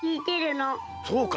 そうか。